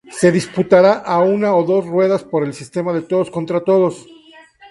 Se disputará a una dos ruedas, por el sistema de todos contra todos.